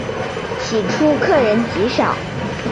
起初客人极少。